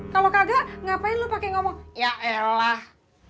kalau kagak ngapain lo pakai ngomong ya elah